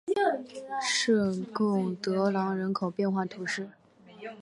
圣贡德朗人口变化图示